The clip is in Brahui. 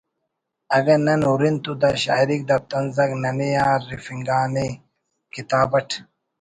اگہ نن ارین تو دا شاعریک دا طنز آک ننے آ ہرفنگانے “ کتاب اٹ